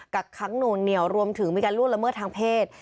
กักค้างหน่วงเหนียวรวมถึงมีการล่วงละเมิดทางเพศ